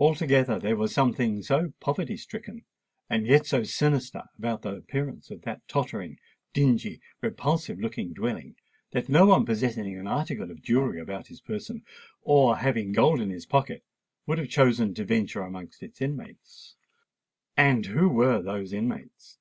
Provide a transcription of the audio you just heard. Altogether, there was something so poverty stricken, and yet so sinister, about the appearance of that tottering, dingy, repulsive looking dwelling, that no one possessing an article of jewellery about his person, or having gold in his pocket, would have chosen to venture amongst its inmates. And who were those inmates?